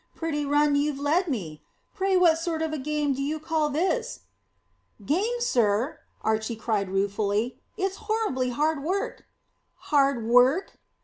Pretty run you've led me. Pray what sort of a game do you call this?" "Game, sir!" said Archy ruefully; "it's horribly hard work!" "Hard work!